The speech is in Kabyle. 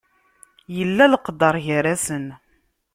Yella leqder gar-asen.